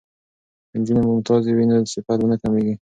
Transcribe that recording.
که نجونې ممتازې وي نو صفت به نه کمیږي.